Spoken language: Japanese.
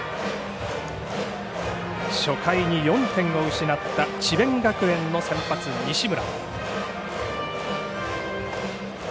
初回に４点を失った智弁学園の先発、西村。